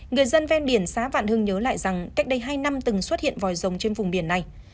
người dân ven biển xã vạn hưng nhớ lại rằng cách đây hai năm từng xuất hiện vòi rồng trên vùng biển này